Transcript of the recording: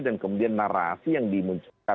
dan kemudian narasi yang dimunculkan